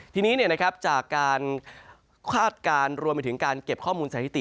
ทีนี้จากการคาดการณ์รวมไปถึงการเก็บข้อมูลสถิติ